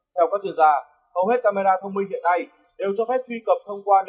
theo các chuyên gia hầu hết camera thông minh hiện nay đều cho phép truy cập thông qua nền tảng